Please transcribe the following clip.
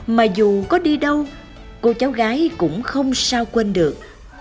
mà dù có đi đâu cô cháu gái cũng không sao quên được